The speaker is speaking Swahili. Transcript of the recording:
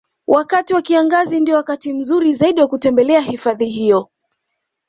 Wakati wa kiangazi ndiyo wakati mzuri zaidi wa kutembelea hifadhi hiyo